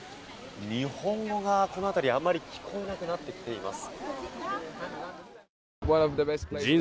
日本語がこの辺り、あまり聞こえなくなってきています。